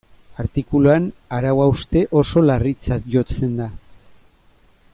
Artikuluan arau hauste oso larritzat jotzen da.